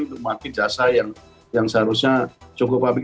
untuk memakai jasa yang seharusnya cukup pabrik